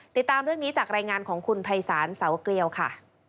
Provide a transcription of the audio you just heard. ติดตามเรื่องนี้จากรายงานของคุณภัยศาลเสาเกลียวค่ะ